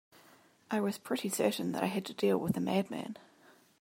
I was pretty certain that I had to deal with a madman.